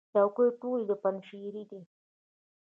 چوکۍ ټولې د پنجشیر دي.